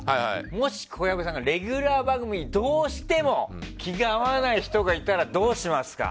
もし小籔さんがレギュラー番組にどうしても気が合わない人がいたらどうしますか？